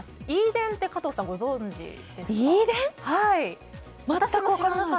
Ｅ電って、加藤さんご存じですか？